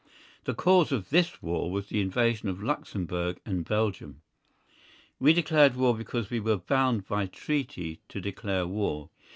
The cause of this war was the invasion of Luxemburg and Belgium. We declared war because we were bound by treaty to declare war.